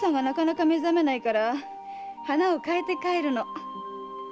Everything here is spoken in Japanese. なかなか目覚めないから花を替えて帰るの。